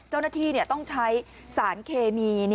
เจ้าหน้าที่ต้องใช้สารเคมี